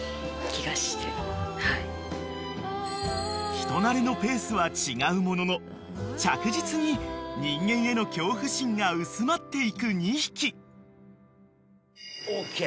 ［人馴れのペースは違うものの着実に人間への恐怖心が薄まっていく２匹］ＯＫ？